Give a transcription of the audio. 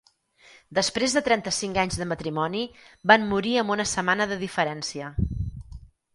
Després de trenta-cinc anys de matrimoni, van morir amb una setmana de diferència.